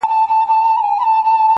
څوك به نيسي د ديدن د ګودر لاري-